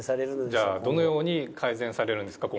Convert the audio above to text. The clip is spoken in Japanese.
じゃあどのように改善されるんですか？